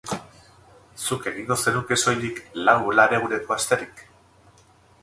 Zuk egingo zenuke soilik lau laneguneko asterik?